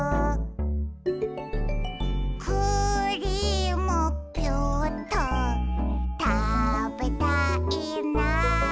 「クリームピューっとたべたいな」